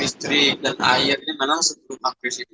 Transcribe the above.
listrik dan air ini memang sebuah krisis